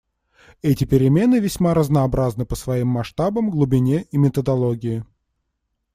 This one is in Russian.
Эти перемены весьма разнообразны по своим масштабам, глубине и методологии.